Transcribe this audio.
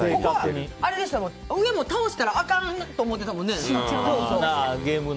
ここは、上も倒したらあかんと思ってたもんね。